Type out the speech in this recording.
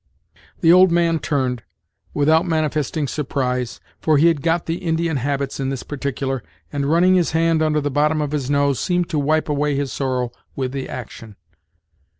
The old man turned, without manifesting surprise, for he had got the Indian habits in this particular, and, running his hand under the bottom of his nose, seemed to wipe away his sorrow with the action.